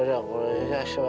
tidak ada masalah asma